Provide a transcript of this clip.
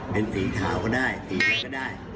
เป็นสีขาวก็ได้สีอะไรก็ได้